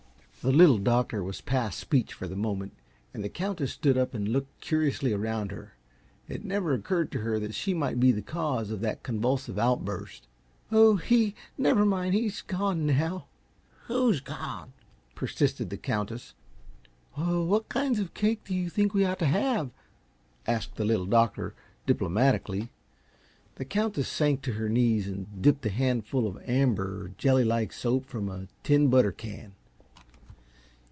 The Little Doctor was past speech for the moment, and the Countess stood up and looked curiously around her. It never occurred to her that she might be the cause of that convulsive outburst. "Oh he never mind he's gone, now." "Who's gone?" persisted the Countess. "What kinds of cake do you think we ought to have?" asked the Little Doctor, diplomatically. The Countess sank to her knees and dipped a handful of amber, jelly like soap from a tin butter can.